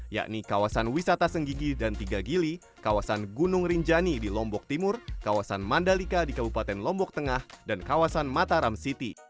yakni kawasan wisata senggigi dan tiga gili kawasan gunung rinjani di lombok timur kawasan mandalika di kabupaten lombok tengah dan kawasan mataram city